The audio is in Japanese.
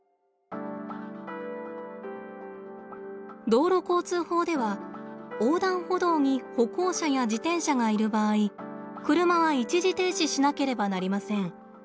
道路交通法では横断歩道に歩行者や自転車がいる場合車は一時停止しなければなりません。